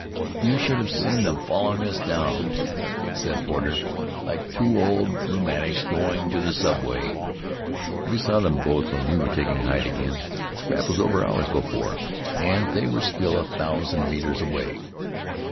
"You should have seen them following us down!" said Porter; "like two old rheumatics going into the subway. We saw them both when we were taking height again. The scrap was all over hours before, and they were still a thousand metres away."